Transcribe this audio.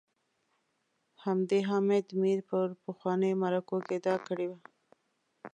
همدې حامد میر په پخوانیو مرکو کي ادعا کړې وه